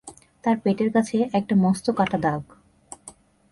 তার পেটের কাছে একটা মস্ত কাটা দাগ।